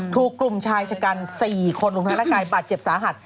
ถูกกลุ่มชายชะกัน๔คนลงทางรักกายบาดเจ็บสาหัส